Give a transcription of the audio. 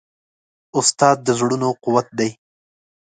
استاد د زړونو قوت دی.